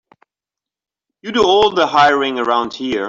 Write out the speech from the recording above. You do all the hiring around here.